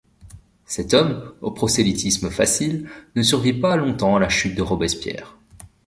Cet homme au prosélytisme facile ne survit pas longtemps à la chute de Robespierre.